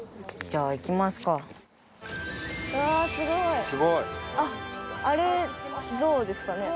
あっあれ象ですかね？